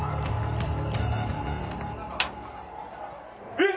えっ！